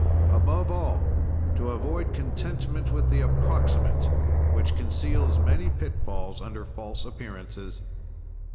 "Above all, to avoid contentment with the approximate, which conceals many pitfalls under false appearances.